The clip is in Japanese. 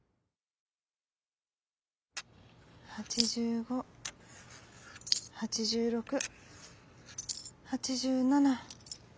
「８５８６８７。